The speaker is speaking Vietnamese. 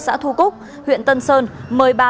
xã thu cúc huyện tân sơn mời bà